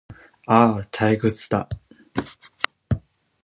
ああ、退屈だ